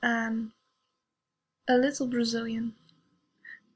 A LITTLE BRAZILIAN.